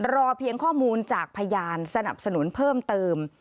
รอเพียงข้อมูลจากพยานสนับสนุนเพิ่มเติม